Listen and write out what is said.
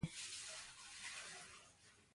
په دې توکو کې کاربن دای اکساید او امونیا شامل دي.